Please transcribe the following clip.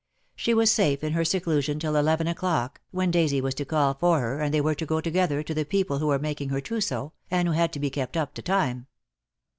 She was safe in her seclusion till eleven o'clock, when Daisy was to call for her, and they were to go together to the people who were making her trousseau, and who had to be kept up to time.